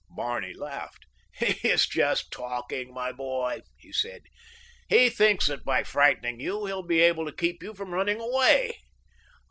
Barney laughed. "He is just talking, my boy," he said. "He thinks that by frightening you he will be able to keep you from running away."